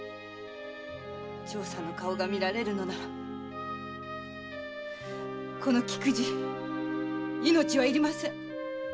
長さんの顔が見られるのならこの菊路命は要りません！